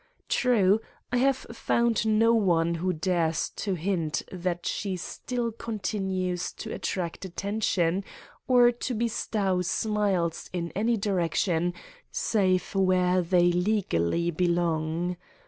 True, I have found no one who dares to hint that she still continues to attract attention or to bestow smiles in any direction save where they legally belong.